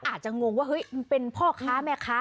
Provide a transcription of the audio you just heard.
อาจจะงงว่าเป็นพ่อค้าแม่ค้า